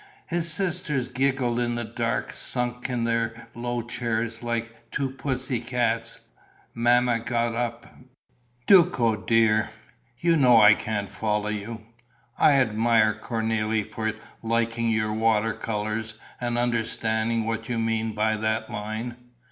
His sisters giggled in the dark, sunk in their low chairs, like two pussy cats. Mamma got up: "Duco dear, you know I can't follow you. I admire Cornélie for liking your water colours and understanding what you mean by that line.